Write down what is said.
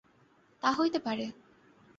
তা হইতে পারে।